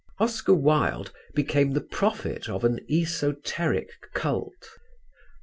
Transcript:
Oscar Wilde became the prophet of an esoteric cult.